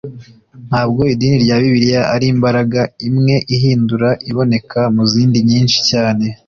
ntabwo idini ya bibiliya ari imbaraga imwe ihindura iboneka mu zindi nyinshi cyane